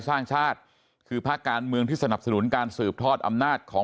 สร้างชาติคือภาคการเมืองที่สนับสนุนการสืบทอดอำนาจของ